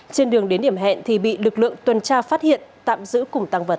trên đường đến điểm hẹn thì bị lực lượng tuần tra phát hiện tạm giữ cùng tăng vật